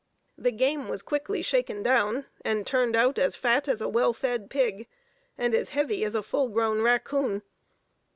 The game was quickly shaken down, and turned out as fat as a well fed pig, and as heavy as a full grown raccoon.